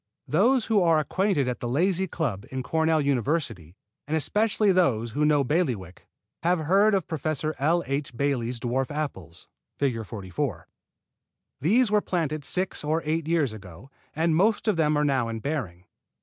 Those who are acquainted at the Lazy Club in Cornell University, and especially those who know Bailiwick, have heard of Professor L. H. Bailey's dwarf apples. (Fig. 44.) These were planted six or eight years ago, and most of them are now in bearing.